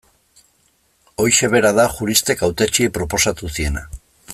Horixe bera da juristek hautetsiei proposatu ziena.